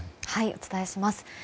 お伝えします。